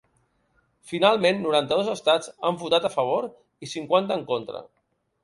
Finalment noranta-dos estats han votat a favor i cinquanta en contra.